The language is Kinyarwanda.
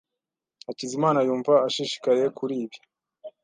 Hakizimana yumva ashishikaye kuri ibi.